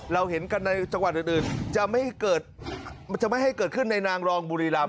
เราเห็นกันในจังหวัดอื่นจะไม่ให้เกิดขึ้นในนางรองบุรีรัม